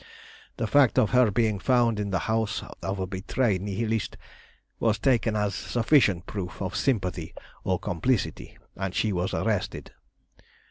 "The fact of her being found in the house of a betrayed Nihilist was taken as sufficient proof of sympathy or complicity, and she was arrested.